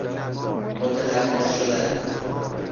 متلبس شدن